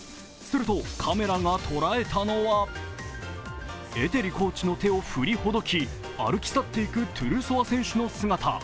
するとカメラが捉えたのはエテリコーチの手を振りほどき歩き去って行くトゥルソワ選手の姿。